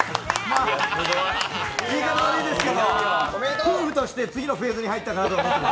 言い方悪いですけど、夫婦として次のフェーズに入ったかなと。